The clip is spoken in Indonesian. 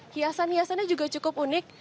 hiasan hiasannya juga cukup unik